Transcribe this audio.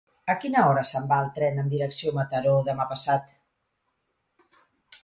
A quina hora se'n va el tren amb direcció Mataró demà passat?